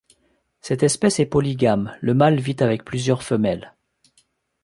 Cette espèce est polygame, le mâle vit avec plusieurs femelles.